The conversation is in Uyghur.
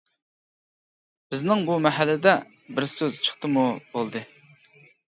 بىزنىڭ بۇ مەھەللىدە بىر سۆز چىقتىمۇ، بولدى.